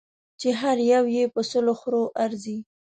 چې هر یو یې په سلو خرو ارزي.